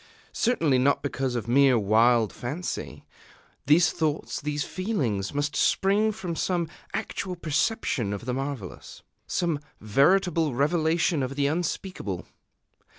Certainly not because of mere wild fancy. These thoughts, these feelings, must spring from some actual perception of the marvellous, some veritable revelation of the unspeakable.